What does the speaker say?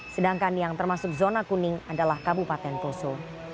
sedangkan yang termasuk zona kuning adalah kabupaten poso